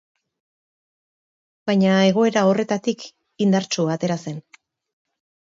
Baina egoera horretatik indartsu atera zen.